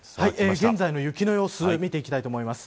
現在の雪の様子見ていきたいと思います。